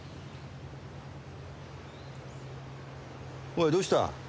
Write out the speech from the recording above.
おいどうした？